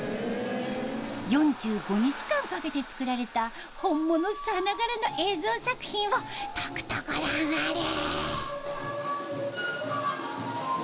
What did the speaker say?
４５日間かけて作られた本物さながらの映像作品をとくとご覧あれ！